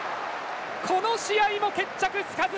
この試合も決着つかず！